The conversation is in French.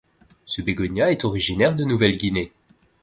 Ce bégonia est originaire de Nouvelle-Guinée.